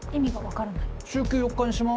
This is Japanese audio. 「週休４日にします」